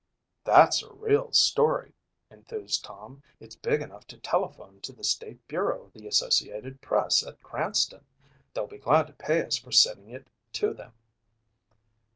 "That's a real story," enthused Tom. "It's big enough to telephone to the state bureau of the Associated Press at Cranston. They'll be glad to pay us for sending it to them."